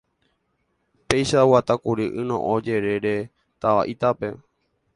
Péicha oguatákuri ynoʼõ jerére táva Itápe.